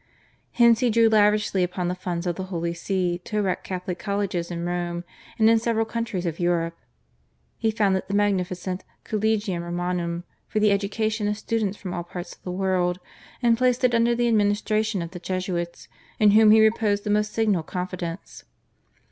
Hence he drew lavishly upon the funds of the Holy See to erect Catholic Colleges in Rome and in several countries of Europe. He founded the magnificent /Collegium Romanum/ for the education of students from all parts of the world, and placed it under the administration of the Jesuits, in whom he reposed the most signal confidence.